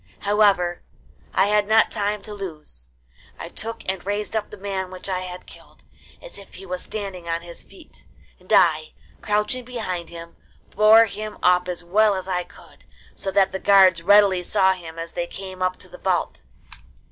However, I had not time to lose. I took and raised up the man which I had killed, as if he was standing on his feet, and I, crouching behind him, bore him up as well as I could, so that the guards readily saw him as they came up to the vault.